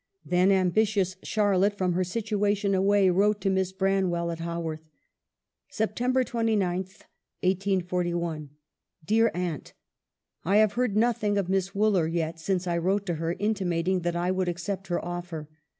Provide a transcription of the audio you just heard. Then ambitious Charlotte, from her situation away, wrote to Miss Branwell at Haworth : l " September 29, 1S41. " Dear Aunt, " I have heard nothing of Miss Wooler yet since I wrote to her, intimating that I would accept her offer.